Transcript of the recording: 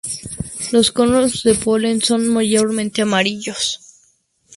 Los conos de polen son mayormente amarillos.